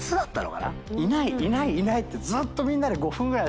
いないいないってずっとみんなで５分ぐらい捜して。